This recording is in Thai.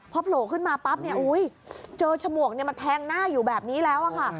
พอโผล่ขึ้นมาปั๊บเจอฉมวกแทงหน้าอยู่แบบนี้แล้ว